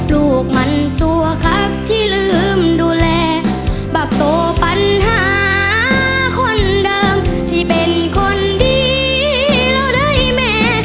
ลูกมันสั่วคักที่ลืมดูแลบักโตปัญหาคนเดิมที่เป็นคนดีเราได้แม่